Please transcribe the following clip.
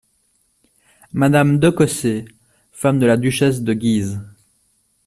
Madame DE COSSÉ , femme de la duchesse de Guise.